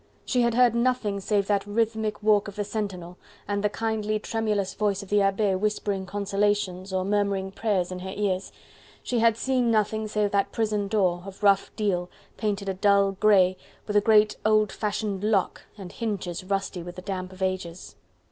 she had heard nothing save that rhythmic walk of the sentinel, and the kindly, tremulous voice of the Abbe whispering consolations, or murmuring prayers in her ears, she had seen nothing save that prison door, of rough deal, painted a dull grey, with great old fashioned lock, and hinges rusty with the damp of ages.